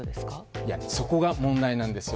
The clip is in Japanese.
いや、そこが問題なんですよ。